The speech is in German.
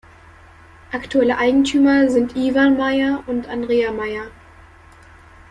Aktuelle Eigentümer sind Iwan Meyer und Andrea Meyer.